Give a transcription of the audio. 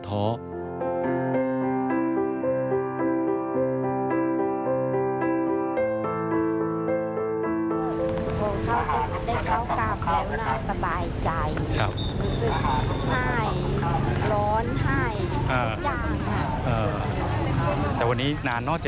โครงเข้าก้อยมาได้เข้ากลับแล้วหน้าสบายใจ